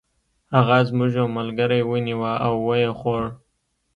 هغه زموږ یو ملګری ونیوه او و یې خوړ.